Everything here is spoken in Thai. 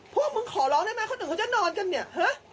พวกมึงขอร้องได้ไหมเค้าหนึ่งเค้าจะนอนกันเนี่ย